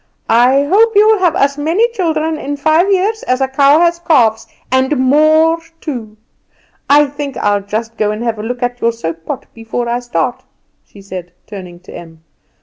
"I hope you'll have as many children in five years as a cow has calves, and more too. I think I'll just go and have a look at your soap pot before I start," she said, turning to Em.